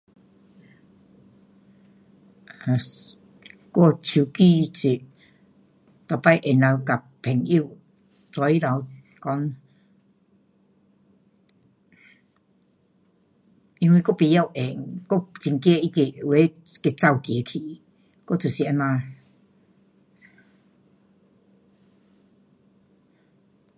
um 我手机是每次能够跟朋友早起头讲，因为我不会压，我很怕那个有的给走掉去。我就是这样。